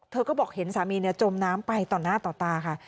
เธอก็บอกเห็นสามีจมน้ำไปต่อหน้าต่อตาค่ะ